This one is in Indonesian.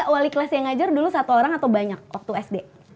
wali kelas yang ngajar dulu satu orang atau banyak waktu sd